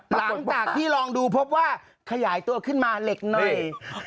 หลังจากที่ลองดูพบว่าขยายตัวขึ้นมาเหล็กหน่อย